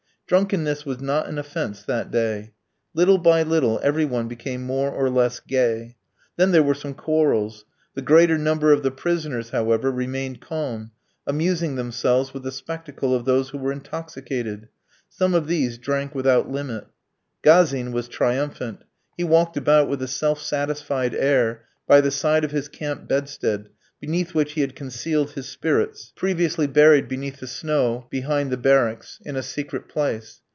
Drunkenness was not an offence that day. Little by little every one became more or less gay. Then there were some quarrels. The greater number of the prisoners, however, remained calm, amusing themselves with the spectacle of those who were intoxicated. Some of these drank without limit. Gazin was triumphant. He walked about with a self satisfied air, by the side of his camp bedstead, beneath which he had concealed his spirits, previously buried beneath the snow behind the barracks, in a secret place.